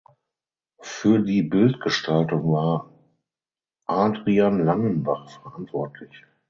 Für die Bildgestaltung war Adrian Langenbach verantwortlich.